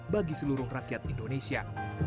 bagi seluruh rakyat indonesia